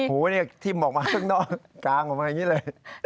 ผู้ที่มองมาทรงน้องกลางผมอย่างนี้เลย